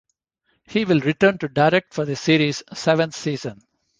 He will return to direct for the series' seventh season.